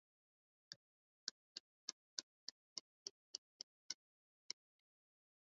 Katika shambulizi hilo kwa kutumia bunduki za rashasha na kurejea katika vituo vyao bila kuumia .